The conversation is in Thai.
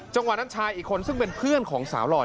จังหวะนั้นชายอีกคนซึ่งเป็นเพื่อนของสาวหลอด